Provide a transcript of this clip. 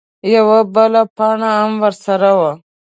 _يوه بله پاڼه ام ورسره وه.